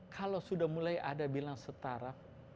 kalau sudah mulai ada bilang setara